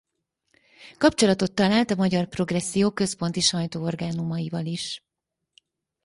Kapcsolatot talált a magyar progresszió központi sajtóorgánumaival is.